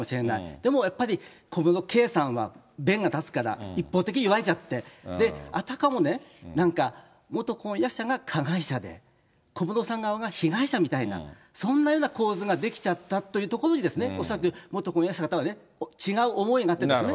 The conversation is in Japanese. でもやっぱり、小室圭さんは弁が立つから、一方的に言われちゃって、あたかもね、なんか元婚約者が加害者で、小室さん側が被害者みたいな、そんなような構図が出来ちゃったというところに、恐らく、元婚約者の方は、違う思いがあってですね、